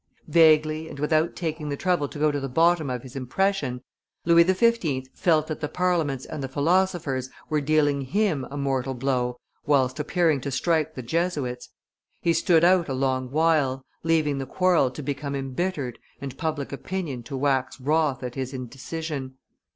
Vaguely and without taking the trouble to go to the bottom of his impression, Louis XV. felt that the Parliaments and the philosophers were dealing him a mortal blow whilst appearing to strike the Jesuits; he stood out a long while, leaving the quarrel to become embittered and public opinion to wax wroth at his indecision.